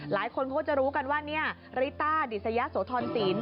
หลายคนก็จะรู้กันว่านี่ริต้าดิสยสวทรศีล